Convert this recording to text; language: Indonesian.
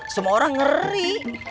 semua orang ngeri